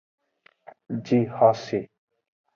Jixose.